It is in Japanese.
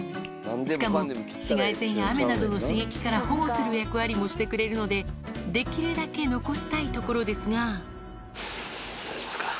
しかも紫外線や雨などの刺激から保護する役割もしてくれるのでできるだけ残したいところですがやりますか。